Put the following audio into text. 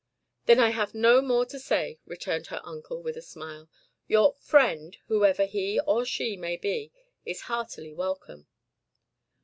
"Then I have no more to say," returned her uncle with a smile. "Your FRIEND, whoever he or she may be, is heartily welcome."